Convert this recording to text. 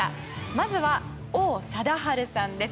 まずは王貞治さんです。